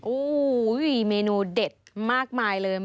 โอ้โหเมนูเด็ดมากมายเลย